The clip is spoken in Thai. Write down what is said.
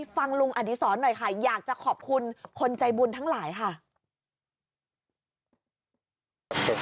ฟังลุงอดีศรหน่อยค่ะอยากจะขอบคุณคนใจบุญทั้งหลายค่ะ